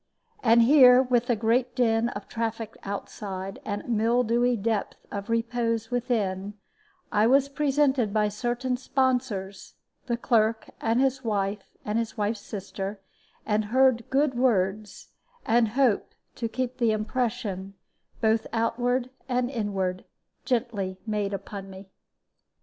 And here, with a great din of traffic outside, and a mildewy depth of repose within, I was presented by certain sponsors (the clerk and his wife and his wife's sister), and heard good words, and hope to keep the impression, both outward and inward, gently made upon me.